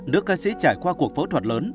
nước ca sĩ trải qua cuộc phẫu thuật lớn